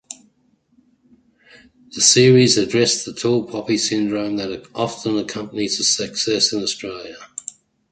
The series addressed the tall poppy syndrome that often accompanies success in Australia.